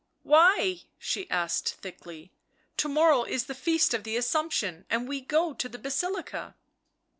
"Why?" she asked quickly. "To morrow is the Feast of the Assumption and we go to the Basilica."